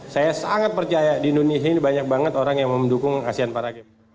saya sangat percaya di indonesia ini banyak banget orang yang mendukung asean paragames